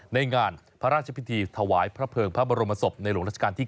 ในงานพระราชพิธีถวายพระเภิงพระบรมศพในหลวงราชการที่๙